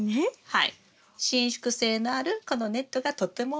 はい。